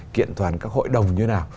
kiện toàn các hội đồng như thế nào